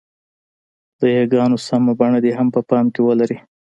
د ی ګانو سمه بڼه دې هم په پام کې ولري.